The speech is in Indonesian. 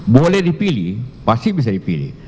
boleh dipilih pasti bisa dipilih